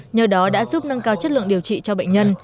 nhờ đó đã giúp nâng cao chất lượng điều trị cho bệnh nhân